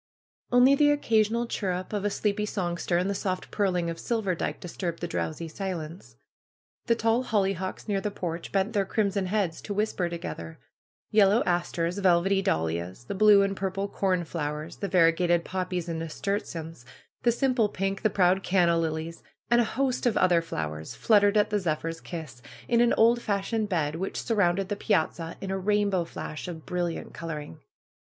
Only the occa sional chirrup of a sleepy songster and the soft purling of Silverdike disturbed the drowsy silence. The tall hollyhocks near the porch bent their crimson heads to whisper together. Yellow asters, velvety dahlias, the blue and purple cornflowers, the variegated poppies and nasturtiums, the simple pink, the proud canna lilies, and a host of other flowers fluttered at the zephyr's kiss, in an old fashioned bed which surrounded the piazza in a rainbow flash of brilliant coloring.